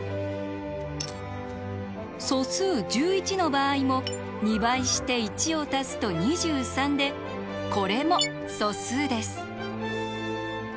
素数１１の場合も２倍して１を足すと２３でこれも素数です。